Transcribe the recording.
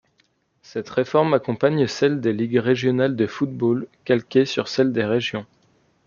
Cette réforme accompagne celle des ligues régionales de football, calquée sur celle des régions.